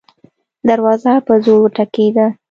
دروازه په زور ولګېده.